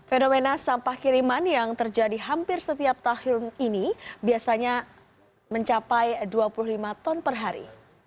fenomena sampah kiriman yang terjadi hampir setiap tahun ini biasanya mencapai dua puluh lima ton per hari